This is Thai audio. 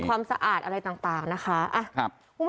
ความสะอาดอะไรต่างนะคะ